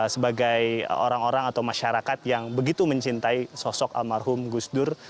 sebagai orang orang atau masyarakat yang begitu mencintai sosok almarhum gus dur